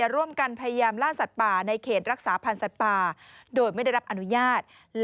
ร่วมกันพยายามล่าสัตว์ป่าในเขตรักษาพันธ์สัตว์ป่าโดยไม่ได้รับอนุญาต